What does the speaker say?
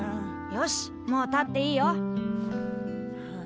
よしもう立っていいよ。え？